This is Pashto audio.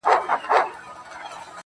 پرون مي دومره اوښكي توى كړې گراني_